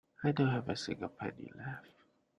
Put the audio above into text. I don't have a single penny left.